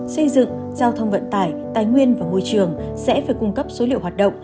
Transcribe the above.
xây dựng giao thông vận tải tài nguyên và môi trường sẽ phải cung cấp số liệu hoạt động